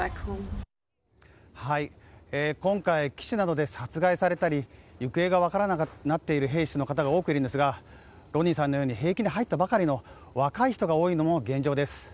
今回、殺害されたり行方が分からなくなっている兵士の方が多くいるんですが兵役に入ったばかりの若い人が多いのが現状です。